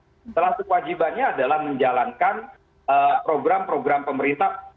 setelah kewajibannya adalah menjalankan program program pemerintah